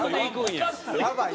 やばい！